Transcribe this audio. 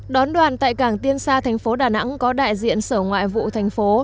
đón đoàn tại cảng tiên xa thành phố đà nẵng có đại diện sở ngoại vụ thành phố